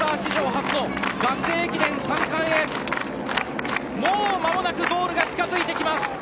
初の学生駅伝３冠へもうまもなくゴールが近付いてきます。